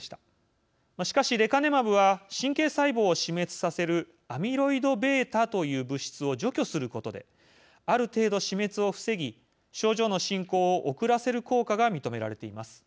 しかしレカネマブは神経細胞を死滅させるアミロイドβという物質を除去することである程度死滅を防ぎ症状の進行を遅らせる効果が認められています。